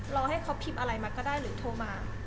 รอให้เขาพิมพ์อะไรมาก็ได้หรือโทรมา